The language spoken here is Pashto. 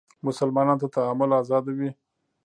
مسلمانانو ته تعامل ازادي وه